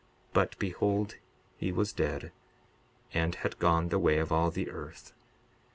But behold, he was dead, and had gone the way of all the earth.